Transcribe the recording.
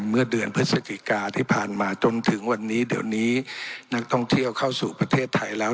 เมื่อเดือนพฤศจิกาที่ผ่านมาจนถึงวันนี้เดี๋ยวนี้นักท่องเที่ยวเข้าสู่ประเทศไทยแล้ว